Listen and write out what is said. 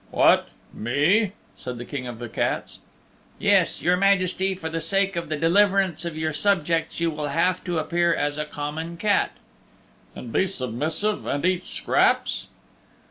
"What, me?" said the King of the Cats. "Yes, your Majesty, for the sake of the deliverance of your subjects you will have to appear as a common cat." "And be submissive and eat scraps?"